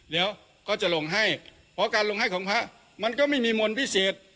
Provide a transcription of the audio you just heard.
เดี๋ยวก็จะลงให้เพราะการลงให้ของพระมันก็ไม่มีมนต์พิเศษ